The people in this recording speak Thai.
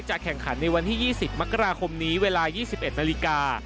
แข่งขันในวันที่๒๐มกราคมนี้เวลา๒๑นาฬิกา